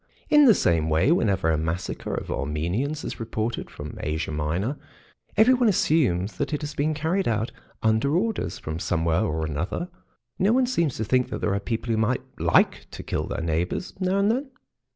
In the same way, whenever a massacre of Armenians is reported from Asia Minor everyone assumes that it has been carried out "under orders" from somewhere or another; no one seems to think that there are people who might like to kill their neighbours now and then.